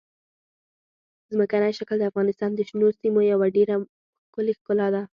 ځمکنی شکل د افغانستان د شنو سیمو یوه ډېره ښکلې ښکلا ده.